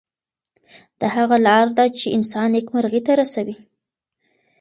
دا هغه لار ده چې انسان نیکمرغۍ ته رسوي.